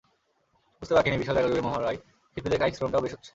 বুঝতে বাকি নেই, বিশাল জায়গাজুড়ে মহড়ায় শিল্পীদের কায়িক শ্রমটাও বেশ হচ্ছে।